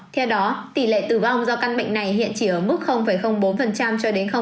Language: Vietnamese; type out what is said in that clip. theo đó tỷ lệ tử vong do căn bệnh này hiện chỉ ở mức bốn cho đến